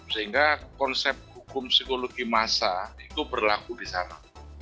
sehingga konsep hukum psikologi masa itu berlaku di sana